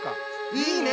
いいね！